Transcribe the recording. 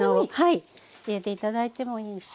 はい入れて頂いてもいいし。